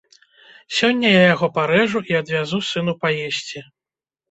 Сёння я яго парэжу і адвязу сыну паесці.